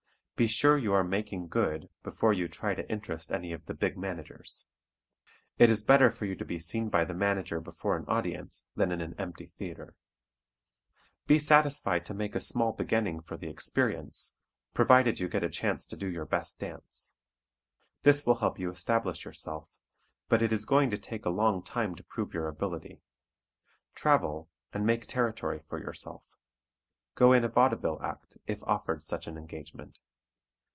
Be sure you are "making good" before you try to interest any of the big managers. It is better for you to be seen by the manager before an audience than in an empty theatre. Be satisfied to make a small beginning for the experience, provided you get a chance to do your best dance. This will help you establish yourself, but it is going to take a long time to prove your ability. Travel, and make territory for yourself. Go in a vaudeville act, if offered such an engagement.